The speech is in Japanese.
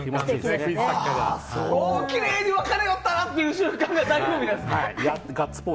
きれいに分かれよったなっていう瞬間が醍醐味なんですね。